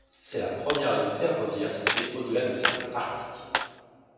C'est la première ligne ferroviaire située au-delà du cercle arctique.